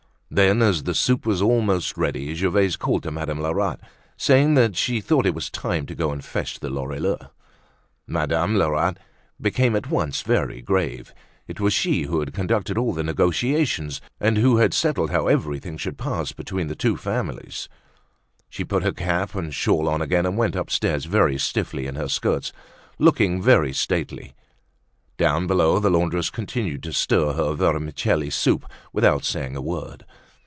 Then as the soup was almost ready, Gervaise called to Madame Lerat, saying that she thought it was time to go and fetch the Lorilleuxs. Madame Lerat became at once very grave; it was she who had conducted all the negotiations and who had settled how everything should pass between the two families. She put her cap and shawl on again and went upstairs very stiffly in her skirts, looking very stately. Down below the laundress continued to stir her vermicelli soup without saying a word.